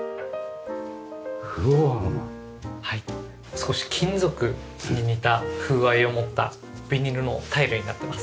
少し金属に似た風合いを持ったビニールのタイルになってます。